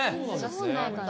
そうなんだ。